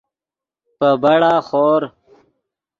پے بڑا خور